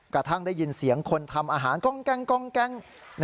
กระทั่งได้ยินเสียงคนทำอาหารกล้องแก๊ง